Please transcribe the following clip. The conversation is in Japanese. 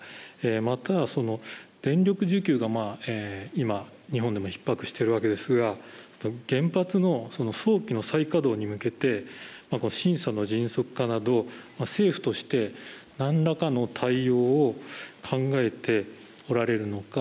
また、電力需給が今、日本でもひっ迫しているわけですが、原発の早期の再可動に向けて審査の迅速化など、政府として何らかの対応を考えておられるのか。